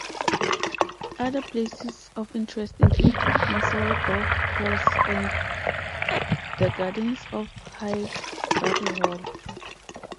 Other places of interest include Moseley Golf Course and the gardens of Highbury Hall.